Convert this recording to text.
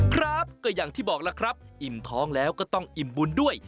ครับก็อย่างที่บอกแล้วครับอิ่มท้องแล้วก็ต้องอิ่มบุญด้วย